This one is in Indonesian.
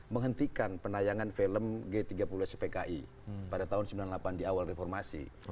menghentikan penayangan film g tiga puluh spki pada tahun sembilan puluh delapan di awal reformasi